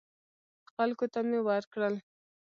خلکو ته مې ورکړل.